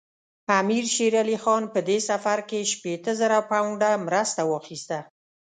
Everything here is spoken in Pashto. امیر شېر علي خان په دې سفر کې شپېته زره پونډه مرسته واخیسته.